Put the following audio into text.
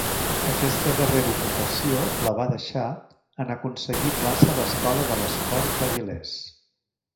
Aquesta darrera ocupació la va deixar en aconseguir plaça a l'Escola de l'Esport d'Avilés.